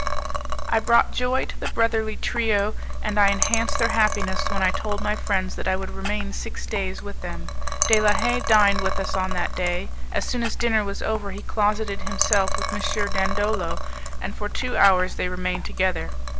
I brought joy to the brotherly trio, and I enhanced their happiness when I told my friends that I would remain six days with them. De la Haye dined with us on that day; as soon as dinner was over he closeted himself with M. Dandolo, and for two hours they remained together.